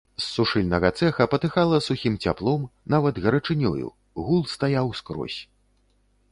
З сушыльнага цэха патыхала сухім цяплом, нават гарачынёю, гул стаяў скрозь.